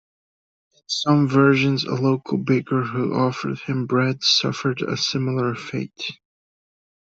In some versions a local baker who offered him bread suffered a similar fate.